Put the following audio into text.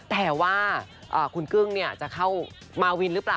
แต่ว่าคุณกึ้งจะเข้ามาวินหรือเปล่า